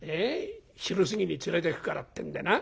『昼過ぎに連れてくから』ってんでな。